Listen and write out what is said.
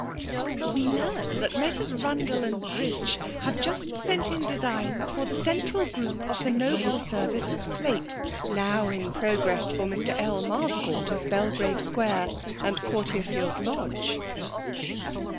'' We learn that Messrs. Bundell and Bridge have just sent in designs for the central group of the noble serrice of plate now in progress for Mr. L. Marsoourt, of Belgrav^ Square and Courtieifield Lodge."